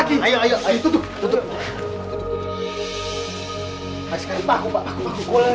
kulih yang kenceng